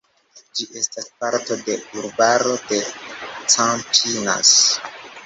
Ĝi estas parto de urbaro de Campinas.